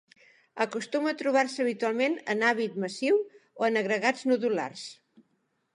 Acostuma a trobar-se habitualment en hàbit massiu, o en agregats nodulars.